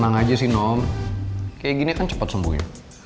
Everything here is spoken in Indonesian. kayak gini kan cepet sembuhin